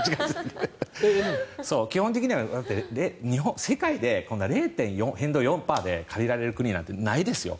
基本的には変動４％で借りられる国なんてないですよ。